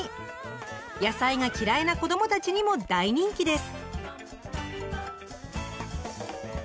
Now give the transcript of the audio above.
野菜が嫌いな子どもたちにも大人気です。